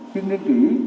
chính nghĩa kỹ